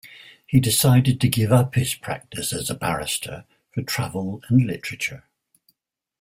He decided to give up his practice as a barrister for travel and literature.